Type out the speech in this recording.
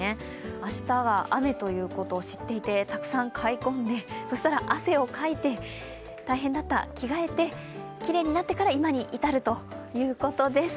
明日は雨ということを知っていてたくさん買い込んで、そうしたら汗をかいて大変だった着替えて、きれいになってから今に至るということです。